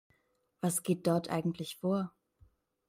Was geht dort eigentlich vor?